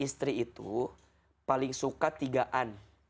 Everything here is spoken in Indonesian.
suami itu paling suka tigaan